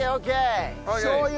しょう油。